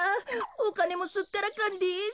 おかねもすっからかんです。